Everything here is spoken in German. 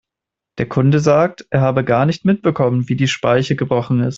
Der Kunde sagt, er habe gar nicht mitbekommen, wie die Speiche gebrochen ist.